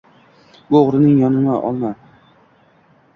– Bu o‘g‘rining yonini olma!